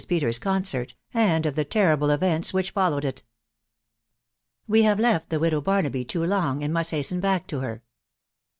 PETERS* S CONCERT, AND OF THE TERRIBLE EVENTS WHICH FOLLOWED IT. We have left the Widow Barnaby too long, and must hasten back to her.